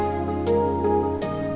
jangan lupa tuh